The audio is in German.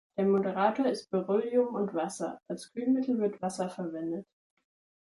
Der Moderator ist Beryllium und Wasser, als Kühlmittel wird Wasser verwendet.